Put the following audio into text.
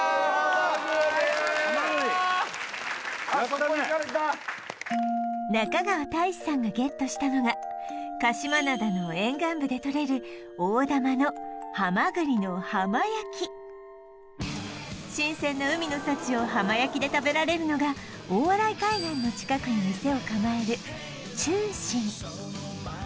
そこいかれた中川大志さんがＧＥＴしたのが鹿島灘の沿岸部でとれる大玉のハマグリの浜焼き新鮮な海の幸を浜焼きで食べられるのが大洗海岸の近くに店をかまえる「ちゅう心」